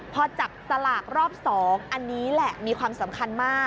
พอจับสลากรอบ๒อันนี้แหละมีความสำคัญมาก